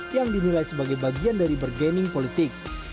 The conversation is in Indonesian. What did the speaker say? yang dinilai sebagai bagian dari bergening politik